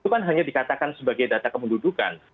jadi itu kan hanya dikatakan sebagai data kependudukan